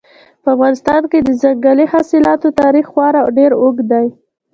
په افغانستان کې د ځنګلي حاصلاتو تاریخ خورا ډېر اوږد دی.